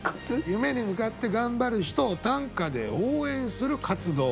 夢に向かって頑張る人を短歌で応援する活動。